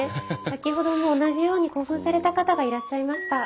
先ほども同じように興奮された方がいらっしゃいました。